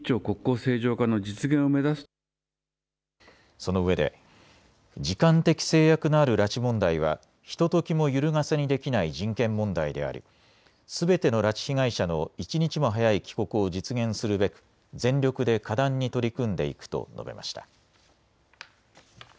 そのうえで時間的制約のある拉致問題はひとときもゆるがせにできない人権問題でありすべての拉致被害者の一日も早い帰国を実現するべく全力で果断に取り組んでいくと述べました。